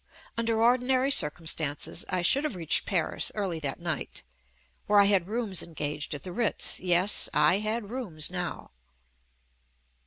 Under ordinary cir cumstances, I should have reached Paris early that night, where I had rooms engaged at the Ttitz — yes, I had rooms now.